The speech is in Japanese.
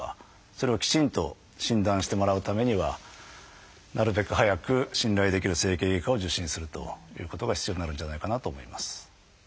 それをきちんと診断してもらうためにはなるべく早く信頼できる整形外科を受診するということが必要になるんじゃないかなと思います。